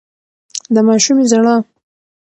د ماشومې ژړا